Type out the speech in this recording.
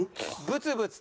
ブツブツ。